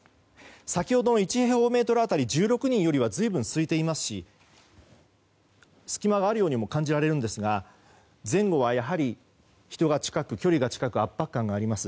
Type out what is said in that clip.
先ほどの、１平方メートル当たり１６人よりは随分すいていますし隙間があるようにも感じられるんですが前後は、やはり人との距離が近く圧迫感があります。